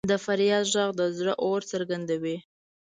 د فریاد ږغ د زړه اور څرګندوي.